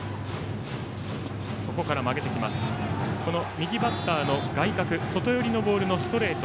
右バッターの外角外寄りのボールのストレート。